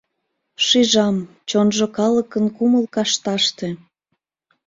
Шижам, чонжо калыкын кумыл кашташте;